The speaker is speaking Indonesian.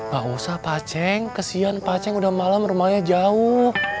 gak usah paceng kesian paceng udah malem rumahnya jauh